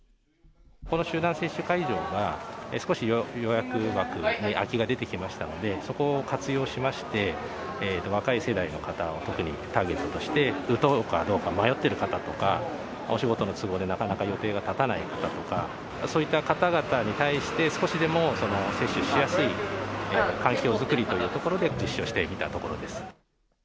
この集団接種会場が、少し予約枠に空きが出てきましたので、そこを活用しまして、若い世代の方を特にターゲットとして、打とうかどうか迷っている方とか、お仕事の都合でなかなか予定が立たない方とか、そういった方々に対して、少しでも接種しやすい環境作りというところで、実施をしてみたところです。